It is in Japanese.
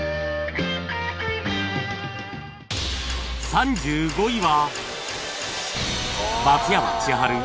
３５位は